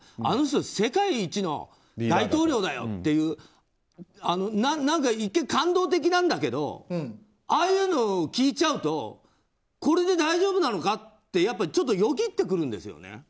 あの人、世界一の大統領だよっていう何か一見感動的なんだけどああいうのを聞いちゃうとこれで大丈夫なのか？ってちょっとよぎってくるんですよね。